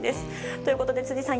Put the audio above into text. ということで、辻さん